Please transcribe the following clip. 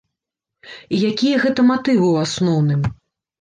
І якія гэта матывы, у асноўным?